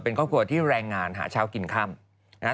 เป็นครอบครัวที่แรงงานหาชาวกินคำ